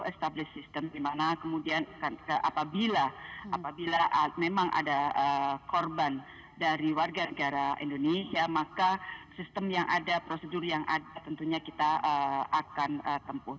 established system di mana kemudian apabila memang ada korban dari warga negara indonesia maka sistem yang ada prosedur yang ada tentunya kita akan tempuh